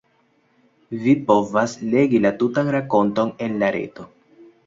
Vi povas legi la tutan rakonton en la reto.